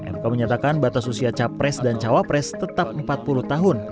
mk menyatakan batas usia capres dan cawapres tetap empat puluh tahun